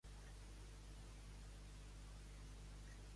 Dóna, com un bon negoci.